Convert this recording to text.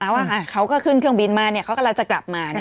แล้วเขาก็ขึ้นเครื่องบินมาเนี่ยเขากำลังจะกลับมาเนี่ย